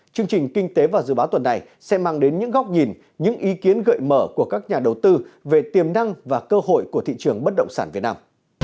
chương trình kinh tế và dự báo tuần này sẽ mang đến những góc nhìn những ý kiến gợi mở của các nhà đầu tư về tiềm năng và cơ hội của thị trường bất động sản việt nam